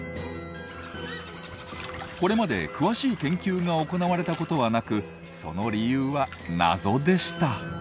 これまで詳しい研究が行われたことはなくその理由は謎でした。